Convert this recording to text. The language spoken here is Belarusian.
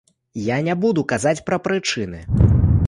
Я не буду казаць пра прычыны.